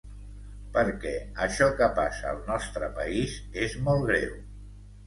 Perquè això que passa al nostre país és molt greu.